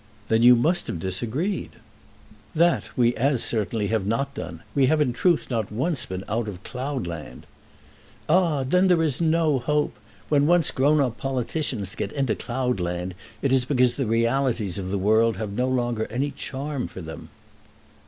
"Then you must have disagreed." "That we as certainly have not done. We have in truth not once been out of cloud land." "Ah; then there is no hope. When once grown up politicians get into cloud land it is because the realities of the world have no longer any charm for them."